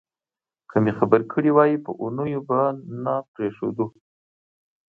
که مې خبر کړي وای په اوونیو به نه پرېښودو.